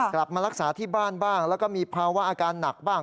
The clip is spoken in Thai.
กลับมารักษาที่บ้านบ้างแล้วก็มีภาวะอาการหนักบ้าง